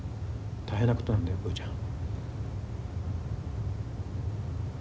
大変なことなんだよブちゃん。